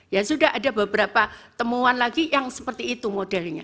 ya sudah ada beberapa temuan lagi yang seperti itu modelnya